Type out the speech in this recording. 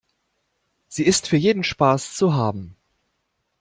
Sie ist für jeden Spaß zu haben.